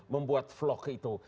membuat vlog itu